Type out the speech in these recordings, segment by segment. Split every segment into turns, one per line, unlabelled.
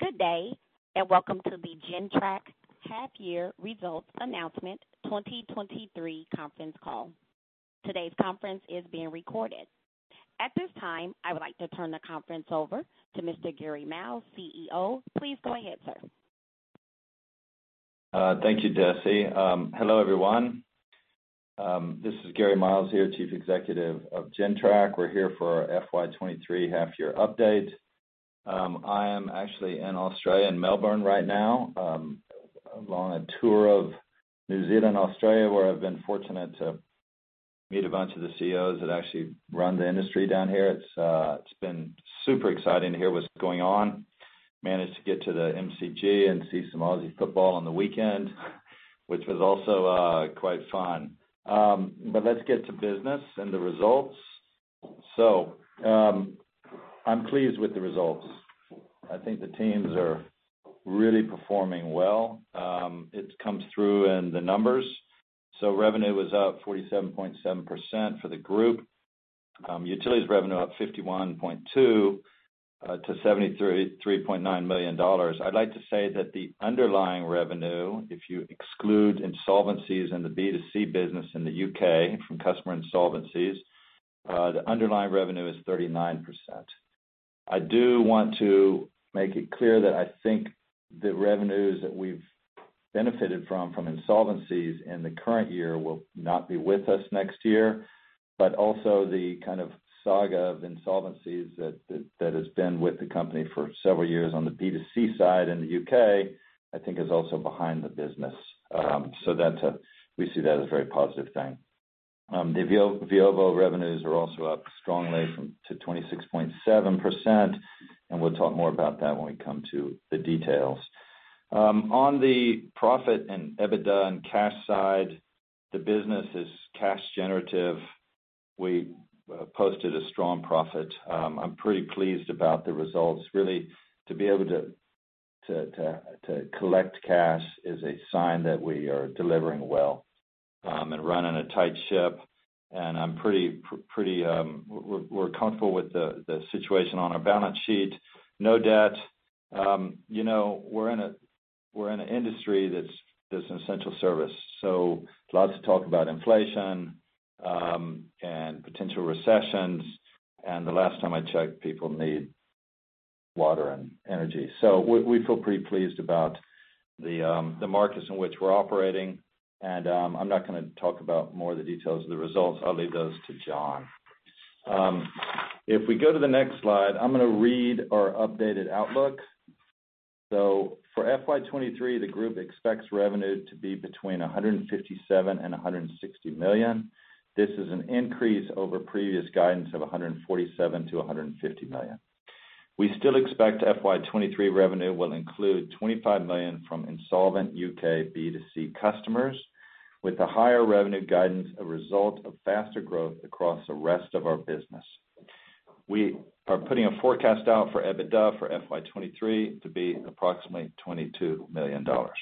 Good day, welcome to the Gentrack Half Year Results Announcement 2023 conference call. Today's conference is being recorded. At this time, I would like to turn the conference over to Mr. Gary Miles, CEO. Please go ahead, sir.
Thank you, Jessie. Hello, everyone. This is Gary Miles here, Chief Executive of Gentrack. We're here for our FY23 half year update. I am actually in Australia, in Melbourne right now, along a tour of New Zealand and Australia, where I've been fortunate to meet a bunch of the CEOs that actually run the industry down here. It's been super exciting to hear what's going on. Managed to get to the MCG and see some Aussie football on the weekend, which was also quite fun. Let's get to business and the results. I'm pleased with the results. I think the teams are really performing well. It comes through in the numbers. Revenue was up 47.7% for the group. Utilities revenue up 51.2% to NZD 73.9 million. I'd like to say that the underlying revenue, if you exclude insolvencies in the B2C business in the UK from customer insolvencies, the underlying revenue is 39%. I do want to make it clear that I think the revenues that we've benefited from insolvencies in the current year will not be with us next year, but also the kind of saga of insolvencies that has been with the company for several years on the B2C side in the UK, I think is also behind the business. We see that as a very positive thing. The Veovo revenues are also up strongly to 26.7%. We'll talk more about that when we come to the details. On the profit and EBITDA and cash side, the business is cash generative. We posted a strong profit. I'm pretty pleased about the results. Really, to be able to collect cash is a sign that we are delivering well and running a tight ship. I'm pretty comfortable with the situation on our balance sheet. No debt. You know, we're in an industry that's an essential service. Lots of talk about inflation and potential recessions. The last time I checked, people need water and energy. We feel pretty pleased about the markets in which we're operating. I'm not gonna talk about more of the details of the results. I'll leave those to John. If we go to the next slide, I'm gonna read our updated outlook. For FY 2023, the group expects revenue to be between 157 million and 160 million. This is an increase over previous guidance of 147 million-150 million. We still expect FY 2023 revenue will include 25 million from insolvent U.K. B2C customers, with the higher revenue guidance a result of faster growth across the rest of our business. We are putting a forecast out for EBITDA for FY 2023 to be approximately 22 million dollars.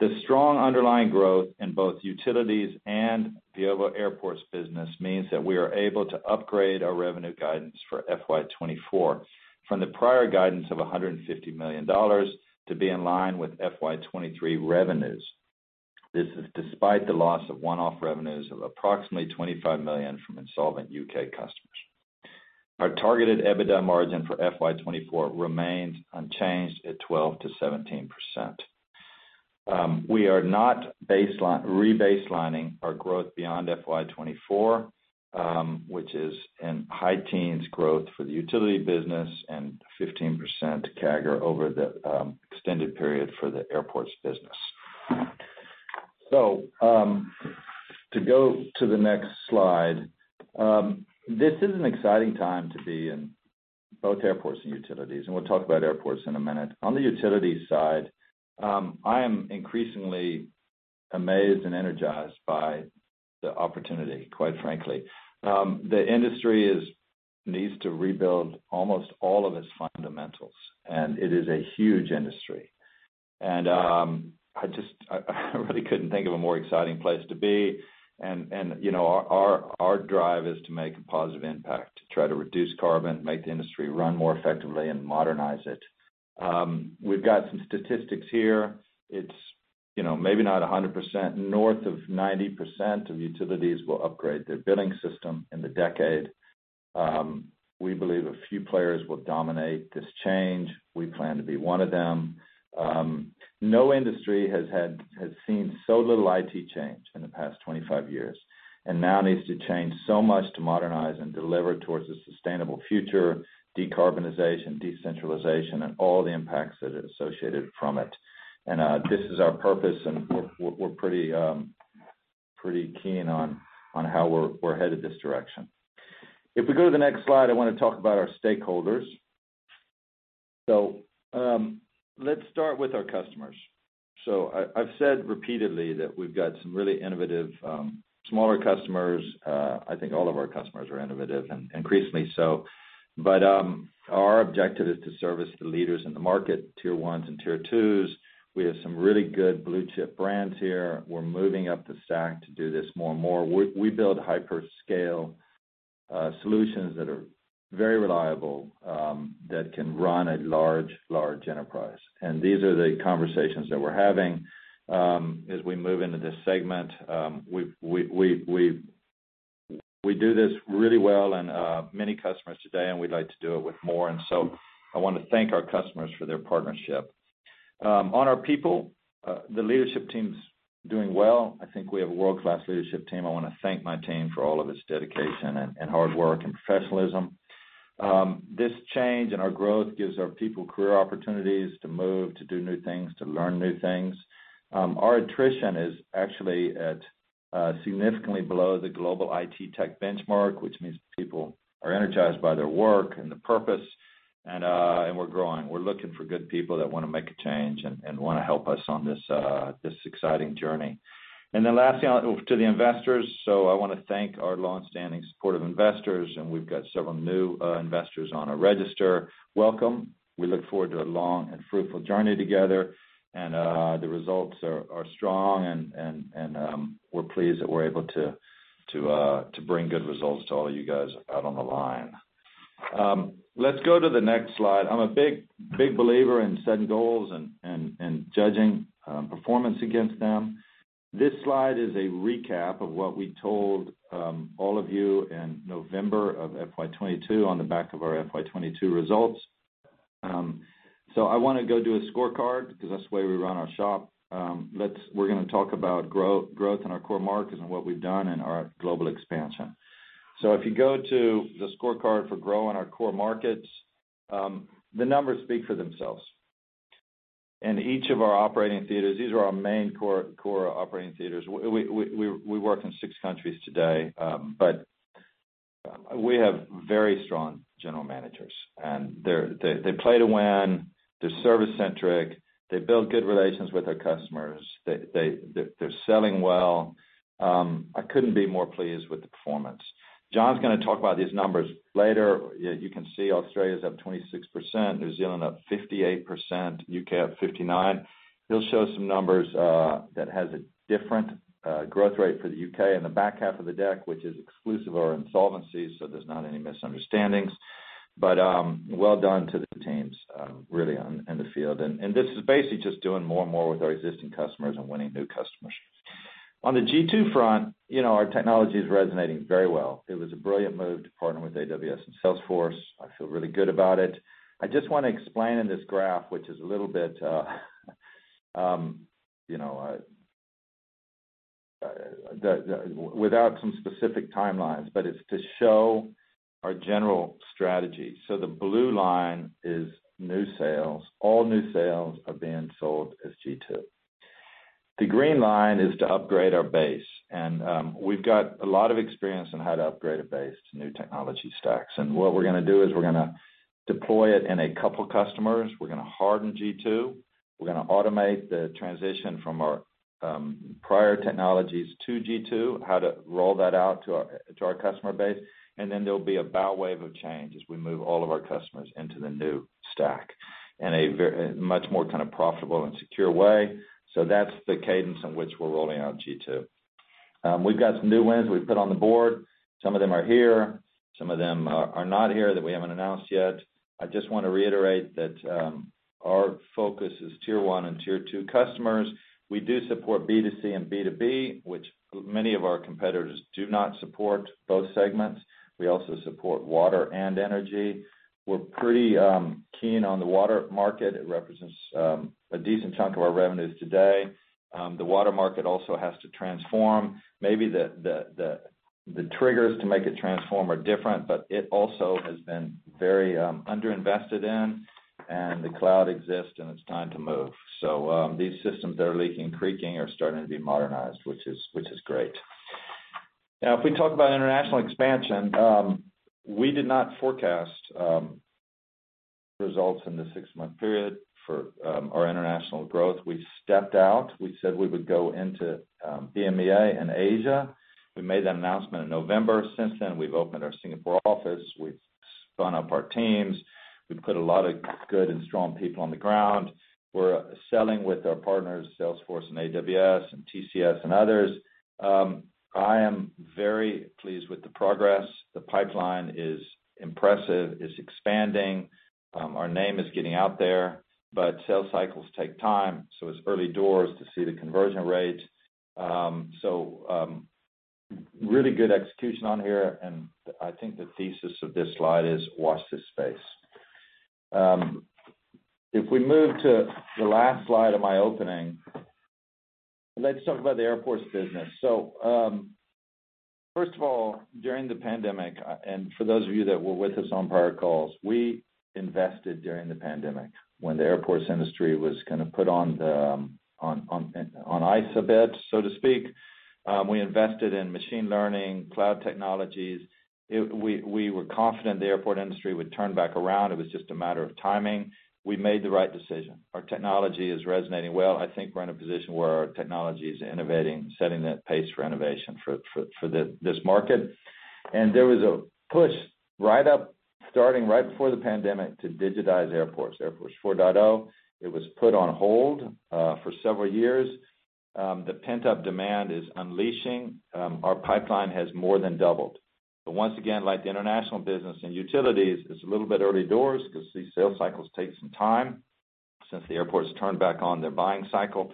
The strong underlying growth in both utilities and Veovo Airports business means that we are able to upgrade our revenue guidance for FY 2024 from the prior guidance of 150 million dollars to be in line with FY 2023 revenues. This is despite the loss of one-off revenues of approximately 25 million from insolvent U.K. customers. Our targeted EBITDA margin for FY 2024 remains unchanged at 12%-17%. We are not re-baselining our growth beyond FY 2024, which is in high teens growth for the utility business and 15% CAGR over the extended period for the airports business. To go to the next slide, this is an exciting time to be in both airports and utilities, and we'll talk about airports in a minute. On the utilities side, I am increasingly amazed and energized by the opportunity, quite frankly. The industry needs to rebuild almost all of its fundamentals, and it is a huge industry. I just, I really couldn't think of a more exciting place to be. You know, our drive is to make a positive impact, to try to reduce carbon, make the industry run more effectively and modernize it. We've got some statistics here. It's, you know, maybe not a 100%. North of 90% of utilities will upgrade their billing system in the decade. We believe a few players will dominate this change. We plan to be one of them. No industry has seen so little IT change in the past 25 years, and now needs to change so much to modernize and deliver towards a sustainable future, decarbonization, decentralization, and all the impacts that are associated from it. This is our purpose, and we're pretty keen on how we're headed this direction. If we go to the next slide, I wanna talk about our stakeholders. Let's start with our customers. I've said repeatedly that we've got some really innovative, smaller customers. I think all of our customers are innovative, and increasingly so. Our objective is to service the leaders in the market, tier ones and tier twos. We have some really good blue-chip brands here. We're moving up the stack to do this more and more. We build hyperscale solutions that are very reliable, that can run a large enterprise. These are the conversations that we're having as we move into this segment. We do this really well and many customers today, and we'd like to do it with more. I wanna thank our customers for their partnership. On our people, the leadership team's doing well. I think we have a world-class leadership team. I wanna thank my team for all of its dedication and hard work and professionalism. This change in our growth gives our people career opportunities to move, to do new things, to learn new things. Our attrition is actually significantly below the global IT tech benchmark, which means people are energized by their work and the purpose and we're growing. We're looking for good people that wanna make a change and wanna help us on this exciting journey. Lastly, to the investors. I wanna thank our longstanding supportive investors, and we've got several new investors on our register. Welcome. We look forward to a long and fruitful journey together, the results are strong and we're pleased that we're able to bring good results to all of you guys out on the line. Let's go to the next slide. I'm a big believer in setting goals and judging performance against them. This slide is a recap of what we told all of you in November of FY 2022 on the back of our FY 2022 results. I wanna go do a scorecard because that's the way we run our shop. We're gonna talk about growth in our core markets and what we've done in our global expansion. If you go to the scorecard for grow in our core markets, the numbers speak for themselves. In each of our operating theaters, these are our main core operating theaters. We work in six countries today, but we have very strong general managers, and they play to win, they're service centric, they build good relations with their customers. They're selling well. I couldn't be more pleased with the performance. John's gonna talk about these numbers later. You can see Australia's up 26%, New Zealand up 58%, U.K. up 59%. He'll show some numbers that has a different growth rate for the U.K. in the back half of the deck, which is exclusive of our insolvencies, so there's not any misunderstandings. Well done to the teams really in the field. This is basically just doing more and more with our existing customers and winning new customers. On the g2 front, you know, our technology is resonating very well. It was a brilliant move to partner with AWS and Salesforce. I feel really good about it. I just wanna explain in this graph, which is a little bit, you know. Without some specific timelines, it's to show our general strategy. The blue line is new sales. All new sales are being sold as g2. The green line is to upgrade our base, we've got a lot of experience in how to upgrade a base to new technology stacks. What we're gonna do is we're gonna deploy it in a couple customers. We're gonna harden g2. We're gonna automate the transition from our prior technologies to g2, how to roll that out to our customer base. There'll be a bow wave of change as we move all of our customers into the new stack in a much more kind of profitable and secure way. That's the cadence in which we're rolling out g2. We've got some new wins we've put on the board. Some of them are here, some of them are not here that we haven't announced yet. I just wanna reiterate that our focus is tier one and tier two customers. We do support B2C and B2B, which many of our competitors do not support both segments. We also support water and energy. We're pretty keen on the water market. It represents a decent chunk of our revenues today. The water market also has to transform. Maybe the triggers to make it transform are different, but it also has been very underinvested in and the cloud exists and it's time to move. These systems that are leaking, creaking are starting to be modernized, which is great. If we talk about international expansion, we did not forecast results in the six-month period for our international growth. We stepped out. We said we would go into EMEA and Asia. We made that announcement in November. Since then, we've opened our Singapore office. We've spun up our teams. We've put a lot of good and strong people on the ground. We're selling with our partners, Salesforce and AWS and TCS and others. I am very pleased with the progress. The pipeline is impressive. It's expanding. Our name is getting out there, but sales cycles take time, so it's early doors to see the conversion rates. Really good execution on here, and I think the thesis of this slide is watch this space. If we move to the last slide of my opening, let's talk about the airports business. First of all, during the pandemic, for those of you that were with us on prior calls, we invested during the pandemic when the airports industry was kind of put on the ice a bit, so to speak. We invested in machine learning, cloud technologies. We were confident the airport industry would turn back around. It was just a matter of timing. We made the right decision. Our technology is resonating well. I think we're in a position where our technology is innovating, setting the pace for innovation for this market. There was a push Starting right before the pandemic to digitize airports, Airport 4.0. It was put on hold for several years. The pent-up demand is unleashing. Our pipeline has more than doubled. Once again, like the international business and utilities, it's a little bit early doors 'cause these sales cycles take some time since the airports turned back on their buying cycle.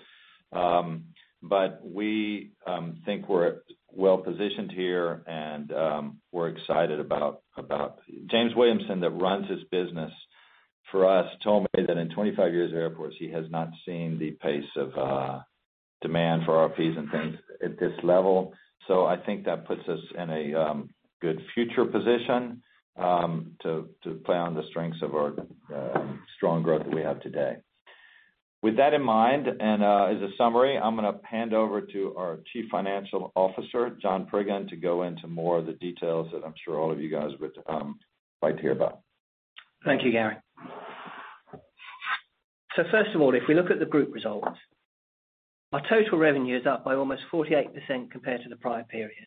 We think we're well-positioned here and we're excited about James Williamson that runs his business for us told me that in 25 years of airports, he has not seen the pace of demand for RFPs and things at this level. I think that puts us in a good future position to play on the strengths of our strong growth that we have today. With that in mind, and as a summary, I'm gonna hand over to our Chief Financial Officer, John Priggen, to go into more of the details that I'm sure all of you guys would like to hear about.
Thank you, Gary. First of all, if we look at the group results, our total revenue is up by almost 48% compared to the prior period.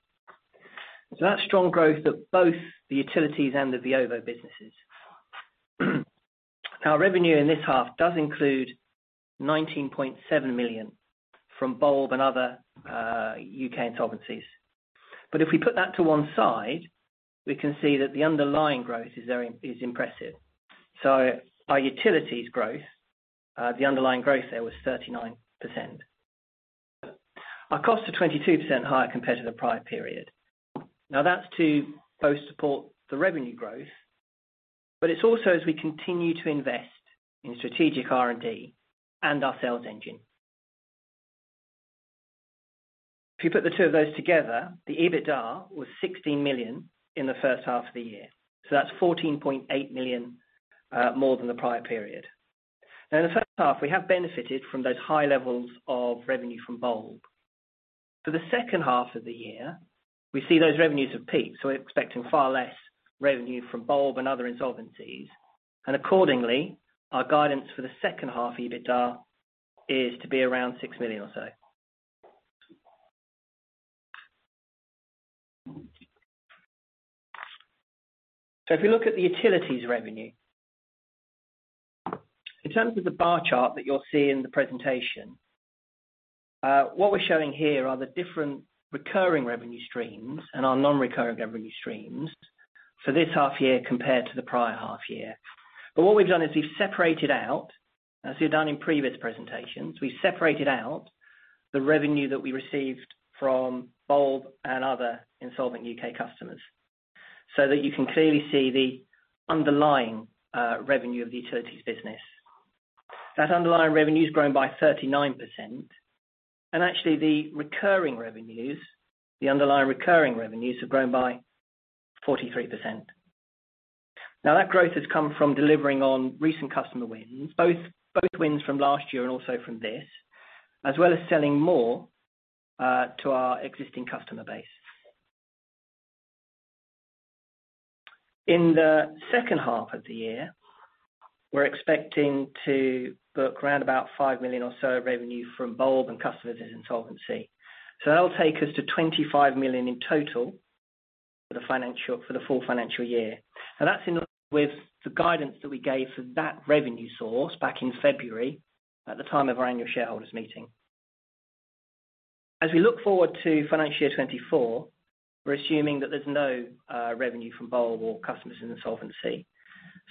That's strong growth of both the utilities and the Veovo businesses. Our revenue in this half does include 19.7 million from Bulb and other UK insolvencies. If we put that to one side, we can see that the underlying growth is impressive. Our utilities growth, the underlying growth there was 39%. Our costs are 22% higher compared to the prior period. Now that's to both support the revenue growth, but it's also as we continue to invest in strategic R&D and our sales engine. You put the two of those together, the EBITDA was 16 million in the first half of the year, so that's 14.8 million more than the prior period. In the first half, we have benefited from those high levels of revenue from Bulb. For the second half of the year, we see those revenues have peaked, so we're expecting far less revenue from Bulb and other insolvencies. Our guidance for the second half EBITDA is to be around 6 million or so. You look at the utilities revenue, in terms of the bar chart that you'll see in the presentation, what we're showing here are the different recurring revenue streams and our non-recurring revenue streams for this half year compared to the prior half year. What we've done is we've separated out, as we've done in previous presentations, the revenue that we received from Bulb and other insolvent U.K. customers so that you can clearly see the underlying revenue of the utilities business. That underlying revenue has grown by 39%. Actually, the recurring revenues, the underlying recurring revenues, have grown by 43%. Now that growth has come from delivering on recent customer wins, both wins from last year and also from this, as well as selling more to our existing customer base. In the second half of the year, we're expecting to book around about 5 million or so of revenue from Bulb and customers in insolvency. That'll take us to 25 million in total for the full financial year. That's in with the guidance that we gave for that revenue source back in February at the time of our annual shareholders meeting. We look forward to financial year 2024, we're assuming that there's no revenue from Bulb or customers in the insolvency.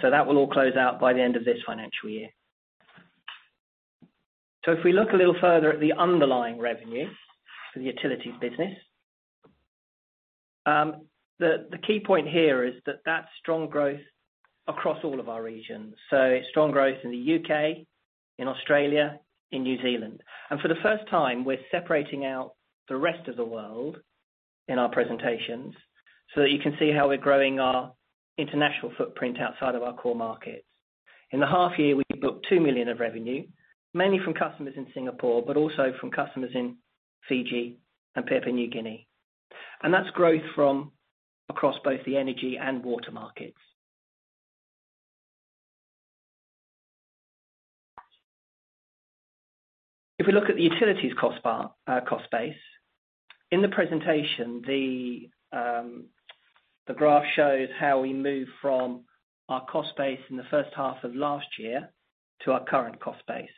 That will all close out by the end of this financial year. If we look a little further at the underlying revenue for the utilities business, the key point here is that that's strong growth across all of our regions. Strong growth in the UK, in Australia, in New Zealand. For the first time, we're separating out the rest of the world in our presentations so that you can see how we're growing our international footprint outside of our core markets. In the half year, we booked 2 million of revenue, mainly from customers in Singapore, but also from customers in Fiji and Papua New Guinea. That's growth from across both the energy and water markets. If we look at the utilities cost bar, cost base, in the presentation, the graph shows how we moved from our cost base in the first half of last year to our current cost base.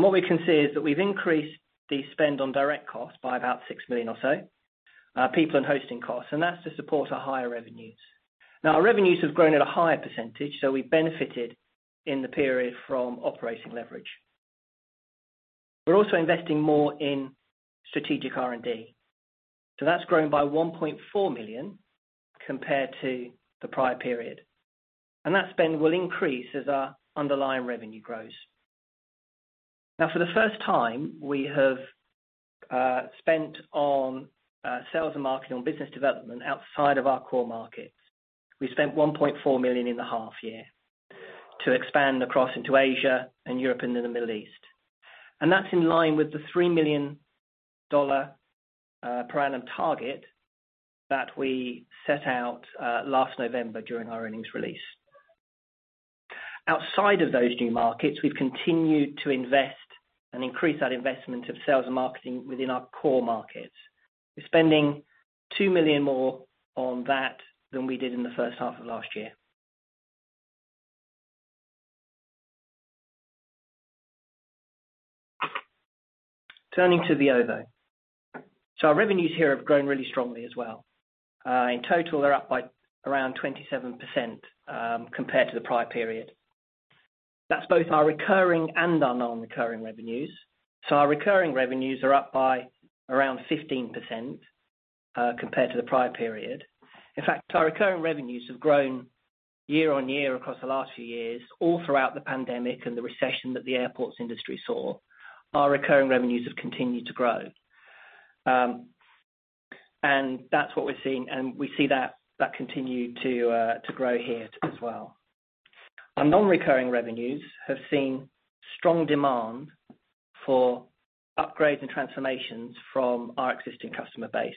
What we can see is that we've increased the spend on direct costs by about 6 million or so, people and hosting costs, and that's to support our higher revenues. Our revenues have grown at a higher percentage, so we benefited in the period from operating leverage. We're also investing more in strategic R&D. That's grown by 1.4 million compared to the prior period. That spend will increase as our underlying revenue grows. For the first time, we have spent on sales and marketing on business development outside of our core markets. We spent 1.4 million in the half year to expand across into Asia and Europe and in the Middle East. That's in line with the 3 million dollar per annum target that we set out last November during our earnings release. Outside of those new markets, we've continued to invest and increase that investment of sales and marketing within our core markets. We're spending 2 million more on that than we did in the first half of last year. Turning to the OVO. Our revenues here have grown really strongly as well. In total, they're up by around 27% compared to the prior period. That's both our recurring and our non-recurring revenues. Our recurring revenues are up by around 15% compared to the prior period. In fact, our recurring revenues have grown year-on-year across the last few years, all throughout the pandemic and the recession that the airports industry saw. Our recurring revenues have continued to grow. That's what we're seeing, and we see that continue to grow here as well. Our non-recurring revenues have seen strong demand for upgrades and transformations from our existing customer base.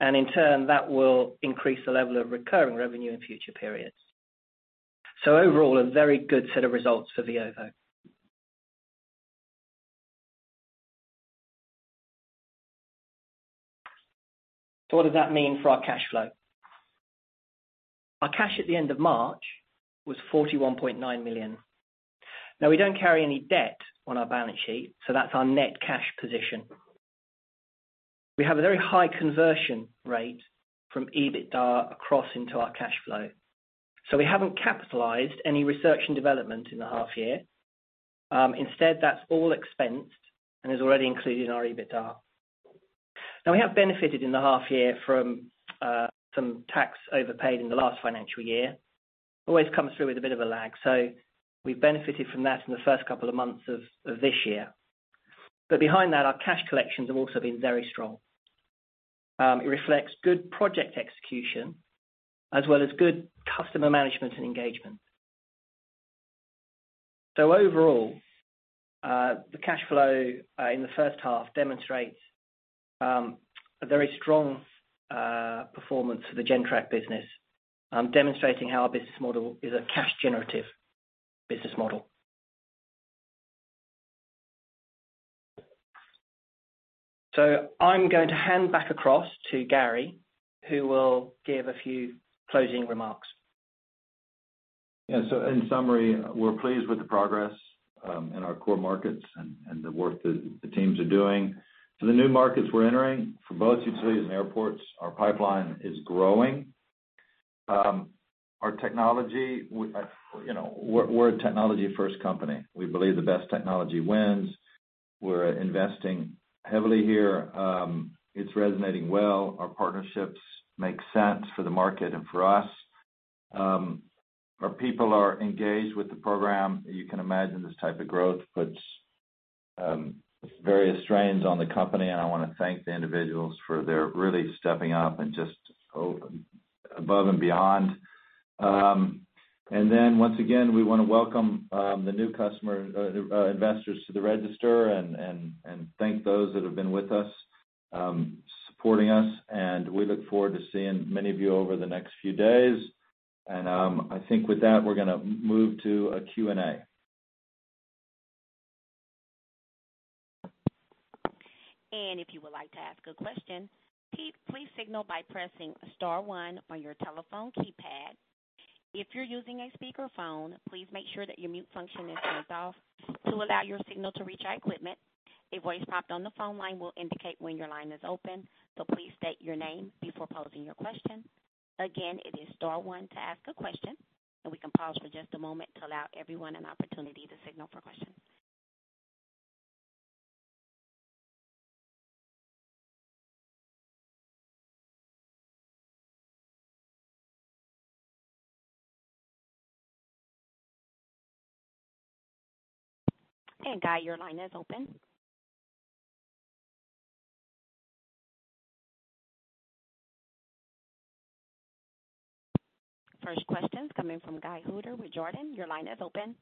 In turn, that will increase the level of recurring revenue in future periods. Overall, a very good set of results for the OVO. What does that mean for our cash flow? Our cash at the end of March was 41.9 million. We don't carry any debt on our balance sheet, so that's our net cash position. We have a very high conversion rate from EBITDA across into our cash flow. We haven't capitalized any research and development in the half year. Instead, that's all expensed and is already included in our EBITDA. We have benefited in the half year from some tax overpaid in the last financial year. Always comes through with a bit of a lag, we've benefited from that in the first couple of months of this year. Behind that, our cash collections have also been very strong. It reflects good project execution as well as good customer management and engagement. Overall, the cash flow in the first half demonstrates a very strong performance for the Gentrack business, demonstrating how our business model is a cash generative business model. I'm going to hand back across to Gary, who will give a few closing remarks.
In summary, we're pleased with the progress in our core markets and the work that the teams are doing. For the new markets we're entering for both utilities and airports, our pipeline is growing. You know, we're a technology-first company. We believe the best technology wins. We're investing heavily here. It's resonating well. Our partnerships make sense for the market and for us. Our people are engaged with the program. You can imagine this type of growth puts various strains on the company, and I wanna thank the individuals for their really stepping up and just above and beyond. Once again, we wanna welcome the new customer investors to the register and thank those that have been with us, supporting us. We look forward to seeing many of you over the next few days. I think with that, we're gonna move to a Q&A.
If you would like to ask a question, "please signal by pressing star one" on your telephone keypad. If you're using a speakerphone, please make sure that your mute function is turned off to allow your signal to reach our equipment. A voice prompt on the phone line will indicate when your line is open, so please state your name before posing your question. Again, it is star one to ask a question, we can pause for just a moment to allow everyone an opportunity to signal for questions. Guy, your line is open. First question's coming from Guy Hooper with Jarden. Your line is open.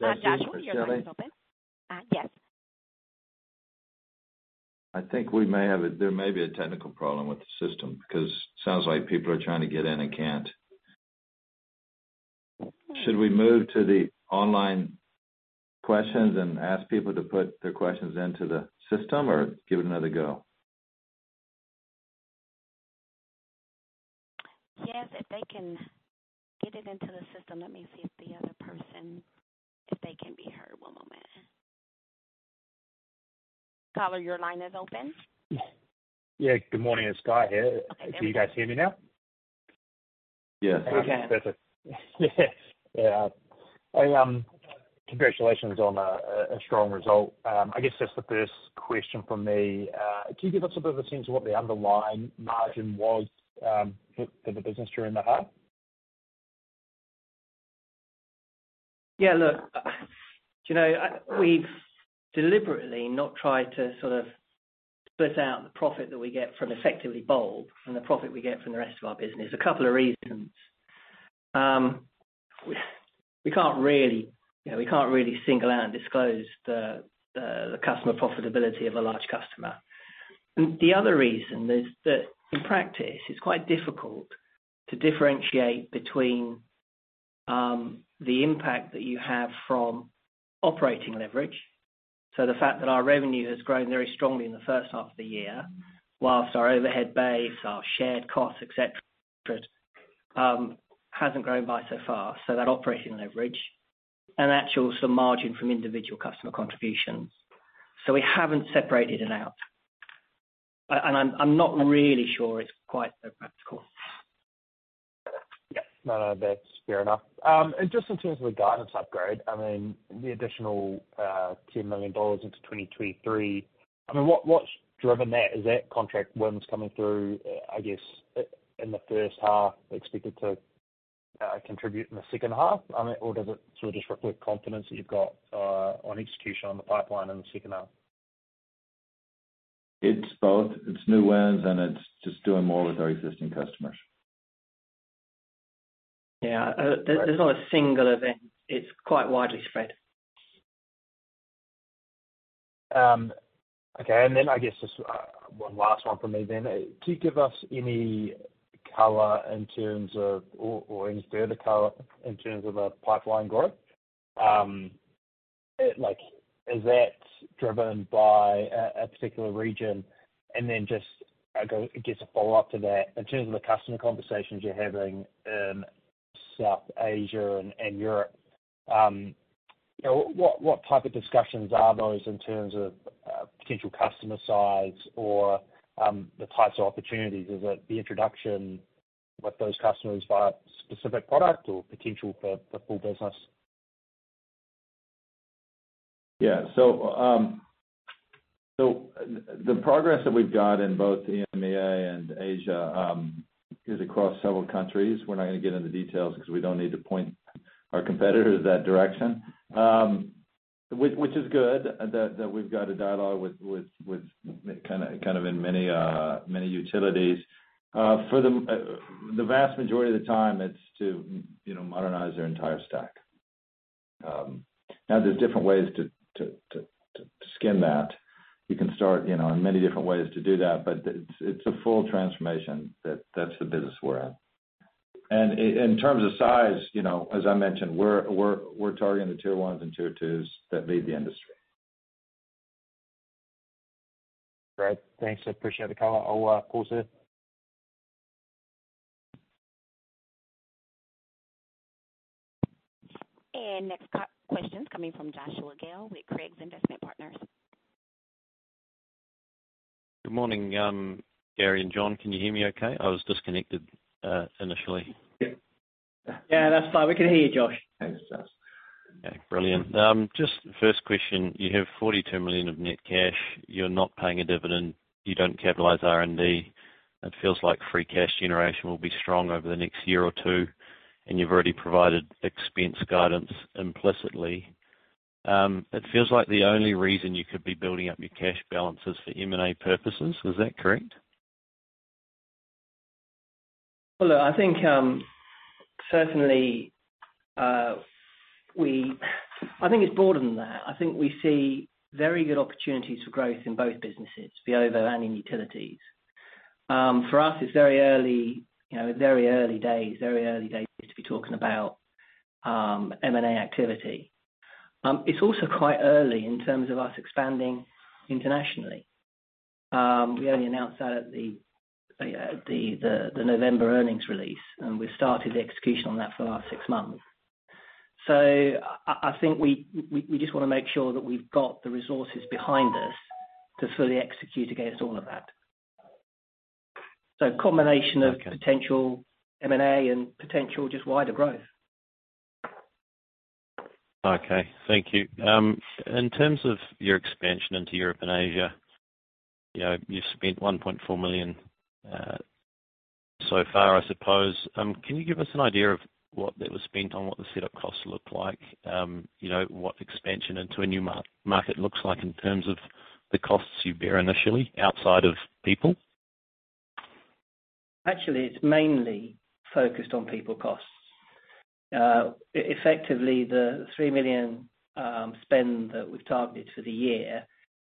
Joshua Dale, your line is open.
Joshua, can you hear us?
Yes.
I think there may be a technical problem with the system 'cause sounds like people are trying to get in and can't. Should we move to the online questions and ask people to put their questions into the system, or give it another go?
Yes, if they can get it into the system. Let me see if the other person, if they can be heard. One moment. Caller, your line is open.
Good morning. It's Guy here.
Okay.
Can you guys hear me now?
Yes.
We can.
That's it. Yeah. I, Congratulations on a strong result. I guess just the first question from me, can you give us a bit of a sense of what the underlying margin was for the business during the half?
Yeah, look, you know, we've deliberately not tried to sort of split out the profit that we get from effectively bold from the profit we get from the rest of our business. A couple of reasons. We can't really, you know, single out and disclose the customer profitability of a large customer. The other reason is that in practice, it's quite difficult to differentiate between the impact that you have from operating leverage. The fact that our revenue has grown very strongly in the first half of the year, whilst our overhead base, our shared costs, et cetera, hasn't grown by so far, so that operating leverage, and actual some margin from individual customer contributions. We haven't separated it out. I'm not really sure it's quite so practical.
Yeah. No, no, that's fair enough. Just in terms of the guidance upgrade, I mean, the additional 10 million dollars into 2023, I mean, what's driven that? Is that contract wins coming through, I guess, in the first half, expected to contribute in the second half? I mean, or does it sort of just reflect confidence that you've got on execution on the pipeline in the second half?
It's both. It's new wins, and it's just doing more with our existing customers.
Yeah. There's not a single event. It's quite widely spread.
Okay. I guess just one last one for me then. Can you give us any color in terms of or, any further color in terms of pipeline growth? Like, is that driven by a particular region? Just, I guess a follow-up to that. In terms of the customer conversations you're having in South Asia and Europe, what type of discussions are those in terms of potential customer size or the types of opportunities? Is it the introduction with those customers via specific product or potential for the full business?
The progress that we've got in both EMEA and Asia is across several countries. We're not gonna get into details because we don't need to point our competitors that direction. Which is good that we've got a dialogue with kind of in many utilities. For the vast majority of the time, it's to, you know, modernize their entire stack. Now there's different ways to skin that. You can start, you know, in many different ways to do that, but it's a full transformation that's the business we're in. In terms of size, you know, as I mentioned, we're targeting the tier ones and tier twos that lead the industry.
Great. Thanks. I appreciate the call. I'll close it.
Next question is coming from Joshua Dale with Craigs Investment Partners.
Good morning, Gary and John. Can you hear me okay? I was disconnected initially.
Yeah.
Yeah, that's fine. We can hear you, Josh.
Thanks, Josh.
Brilliant. Just first question, you have 42 million of net cash. You're not paying a dividend. You don't capitalize R&D. It feels like free cash generation will be strong over the next year or two, and you've already provided expense guidance implicitly. It feels like the only reason you could be building up your cash balance is for M&A purposes. Is that correct?
Look, I think, certainly, I think it's broader than that. I think we see very good opportunities for growth in both businesses, the OVO and in utilities. For us, it's very early, you know, very early days to be talking about M&A activity. It's also quite early in terms of us expanding internationally. We only announced that at the November earnings release, and we've started the execution on that for the last six months. I think we just wanna make sure that we've got the resources behind us to fully execute against all of that. Combination-.
Okay.
of potential M&A and potential just wider growth.
Thank you. In terms of your expansion into Europe and Asia, you know, you've spent 1.4 million so far, I suppose. Can you give us an idea of what that was spent on, what the setup costs look like? You know, what expansion into a new market looks like in terms of the costs you bear initially outside of people?
Actually, it's mainly focused on people costs. Effectively, the 3 million spend that we've targeted for the year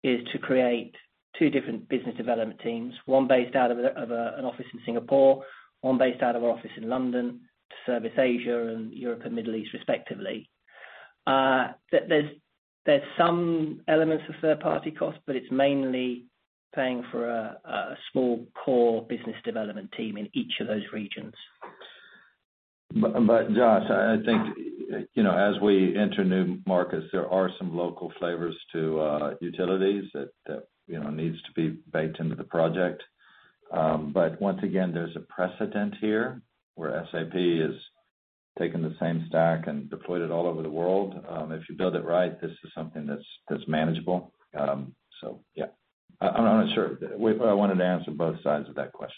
is to create two different business development teams, one based out of an office in Singapore, one based out of our office in London, to service Asia and Europe and Middle East, respectively. There's some elements of third-party costs, but it's mainly paying for a small core business development team in each of those regions.
Josh, I think, you know, as we enter new markets, there are some local flavors to utilities that, you know, needs to be baked into the project. Once again, there's a precedent here where SAP has taken the same stack and deployed it all over the world. If you build it right, this is something that's manageable. Yeah. I'm not sure. I wanted to answer both sides of that question.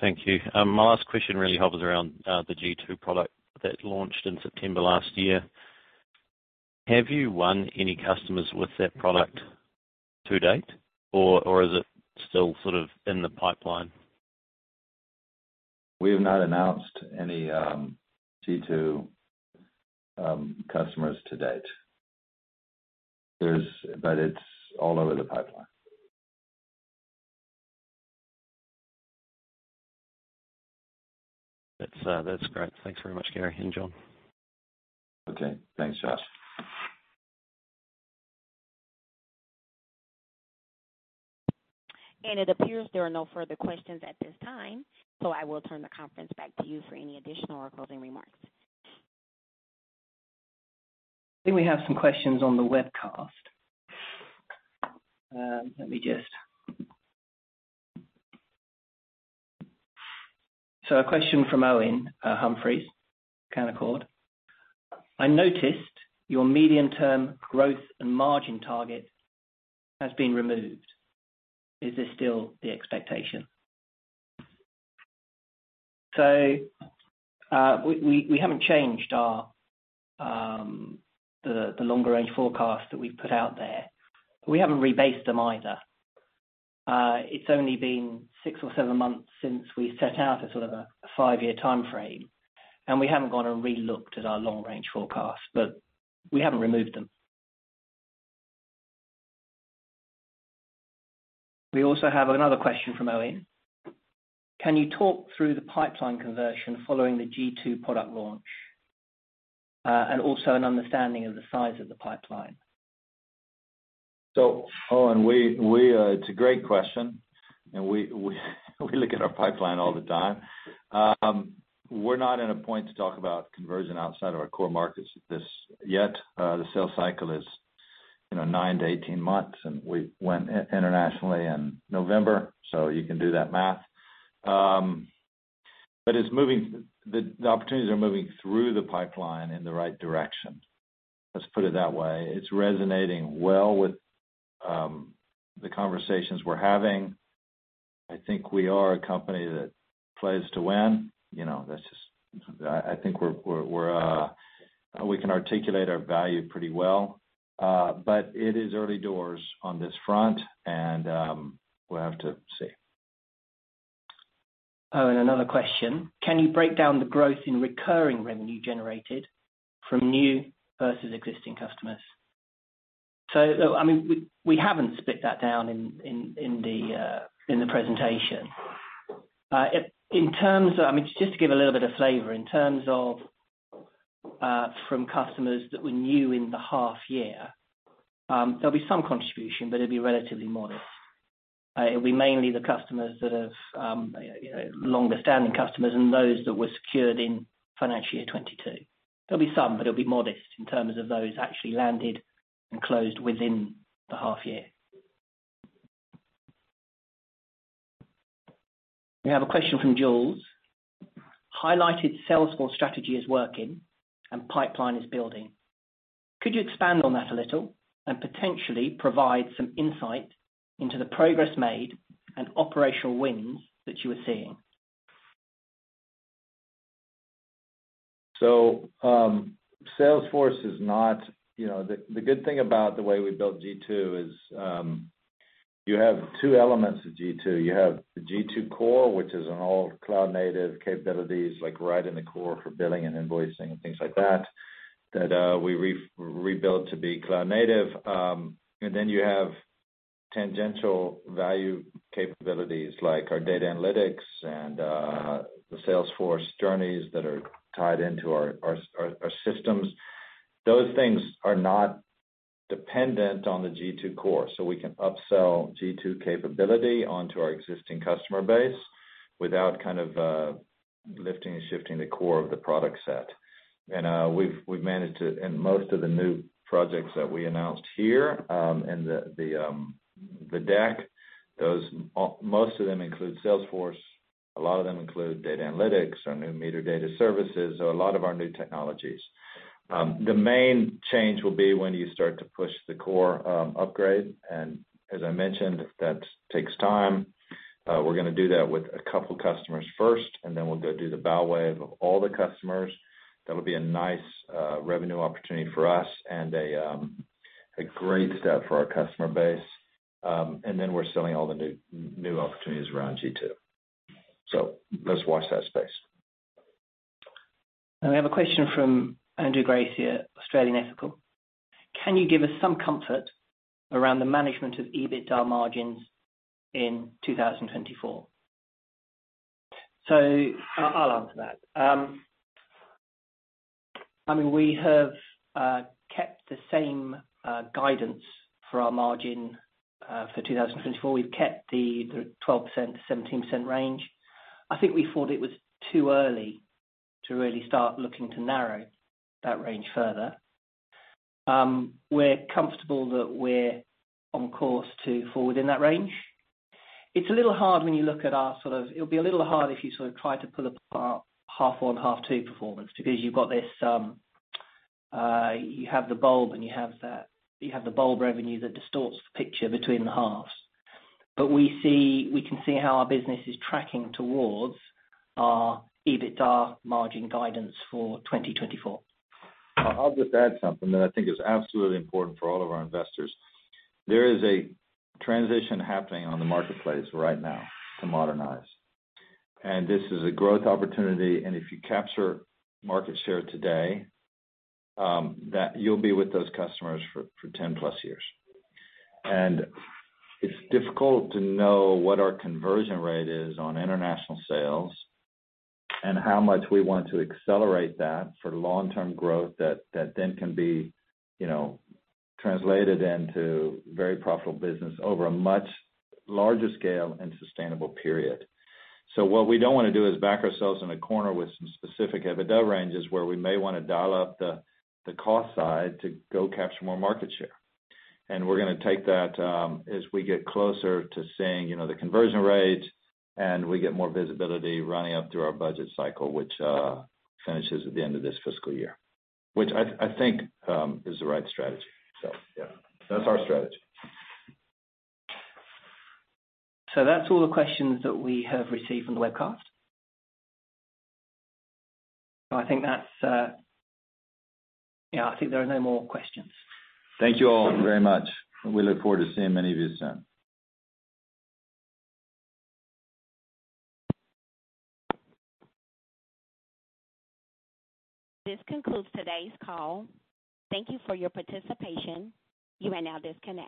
Thank you. My last question really hovers around the g2 product that launched in September last year. Have you won any customers with that product to date, or is it still sort of in the pipeline?
We have not announced any g2 customers to date. It's all over the pipeline.
That's, that's great. Thanks very much, Gary and John.
Okay. Thanks, Josh.
It appears there are no further questions at this time, so I will turn the conference back to you for any additional or closing remarks.
I think we have some questions on the webcast. Let me just. A question from Owen Humphries, Canaccord: I noticed your medium-term growth and margin target has been removed. Is this still the expectation? We haven't changed our the longer-range forecast that we put out there. We haven't rebased them either. It's only been six or seven months since we set out a sort of a 5-year timeframe, and we haven't gone and relooked at our long-range forecast. We haven't removed them. We also have another question from Owen: Can you talk through the pipeline conversion following the g2 product launch, and also an understanding of the size of the pipeline?
Owen, we, it's a great question, we look at our pipeline all the time. We're not in a point to talk about conversion outside of our core markets yet. The sales cycle is, you know, 9 to 18 months, we went internationally in November, you can do that math. It's moving. The opportunities are moving through the pipeline in the right direction. Let's put it that way. It's resonating well with the conversations we're having. I think we are a company that plays to win. You know, that's just. I think we're, we can articulate our value pretty well. It is early doors on this front, we'll have to see.
Owen, another question. Can you break down the growth in recurring revenue generated from new versus existing customers? I mean, we haven't split that down in the presentation. I mean, just to give a little bit of flavor, in terms of from customers that were new in the half year, there'll be some contribution, but it'll be relatively modest. It'll be mainly the customers that have, you know, longer-standing customers and those that were secured in financial year 2022. There'll be some, but it'll be modest in terms of those actually landed and closed within the half year. We have a question from Jules. Highlighted Salesforce strategy is working and pipeline is building. Could you expand on that a little and potentially provide some insight into the progress made and operational wins that you are seeing?
Salesforce is not, you know... The good thing about the way we built g2 is, you have two elements of g2. You have the g2 core, which is an all cloud-native capabilities, like right in the core for billing and invoicing and things like that we rebuilt to be cloud-native. Then you have tangential value capabilities like our data analytics and the Salesforce journeys that are tied into our systems. Those things are not dependent on the g2 core, we can upsell g2 capability onto our existing customer base without kind of lifting and shifting the core of the product set. We've managed to In most of the new projects that we announced here, in the deck, most of them include Salesforce, a lot of them include data analytics, our new Meter Data Services, so a lot of our new technologies. The main change will be when you start to push the core upgrade. As I mentioned, that takes time. We're gonna do that with a couple customers first, and then we'll go do the bow wave of all the customers. That'll be a nice revenue opportunity for us and a great step for our customer base. Then we're selling all the new opportunities around g2. Let's watch that space.
We have a question from Andrew Grace here, Australian Ethical. Can you give us some comfort around the management of EBITDA margins in 2024? I'll answer that. I mean, we have kept the same guidance for our margin for 2024. We've kept the 12%-17% range. I think we thought it was too early to really start looking to narrow that range further. We're comfortable that we're on course to fall within that range. It'll be a little hard if you sort of try to pull apart half one, half two performance because you've got this, you have the Bulb and you have the Bulb revenue that distorts the picture between the halves. We can see how our business is tracking towards our EBITDA margin guidance for 2024.
I'll just add something that I think is absolutely important for all of our investors. There is a transition happening on the marketplace right now to modernize, and this is a growth opportunity. If you capture market share today, that you'll be with those customers for 10+ years. It's difficult to know what our conversion rate is on international sales and how much we want to accelerate that for long-term growth that then can be, you know, translated into very profitable business over a much larger scale and sustainable period. What we don't wanna do is back ourselves in a corner with some specific EBITDA ranges where we may wanna dial up the cost side to go capture more market share. We're gonna take that, as we get closer to seeing, you know, the conversion rates and we get more visibility running up through our budget cycle, which finishes at the end of this fiscal year. Which I think, is the right strategy. Yeah, that's our strategy.
That's all the questions that we have received from the webcast. Yeah, I think there are no more questions.
Thank you all very much. We look forward to seeing many of you soon.
This concludes today's call. Thank you for your participation. You may now disconnect.